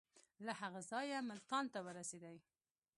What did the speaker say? له هغه ځایه ملتان ته ورسېدی.